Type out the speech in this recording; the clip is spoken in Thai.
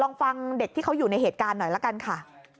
ลองฟังเด็กที่เขาอยู่ในเหตุการณ์หน่อยละกันค่ะ